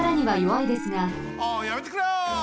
あやめてくれよ！